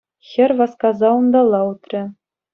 Хӗр васкаса унталла утрӗ.